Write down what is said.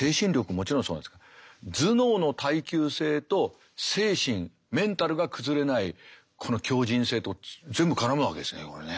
もちろんそうなんですけど頭脳の耐久性と精神メンタルが崩れないこの強じん性と全部絡むわけですねこれね。